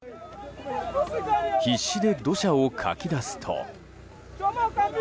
必死で土砂をかき出すと。